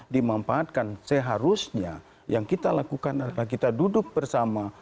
dimanfaatkan seharusnya yang kita lakukan adalah kita duduk bersama